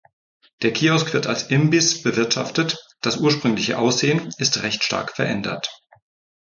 Der Kiosk wird als Imbiss bewirtschaftet, das ursprüngliche Aussehen ist recht stark verändert.